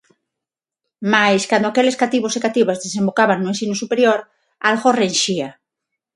Mais cando aqueles cativos e cativas desembocaban no ensino superior, algo renxía.